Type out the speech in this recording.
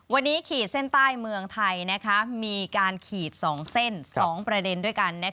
วันนี้ขีดเส้นใต้เมืองไทยมีการขีด๒เส้น๒ประเด็นด้วยกัน